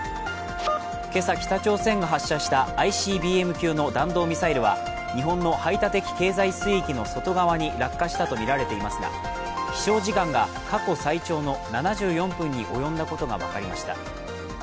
今朝、北朝鮮が発射したＩＣＢＭ級の弾道ミサイルは日本の排他的経済水域の外側に落下したとみられていますが飛しょう時間が過去最長の７４分に及んだことが分かりました。